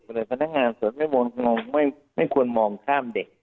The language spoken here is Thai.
เพราะฝนทางงานไม่ควรมองคร่ามเด็ก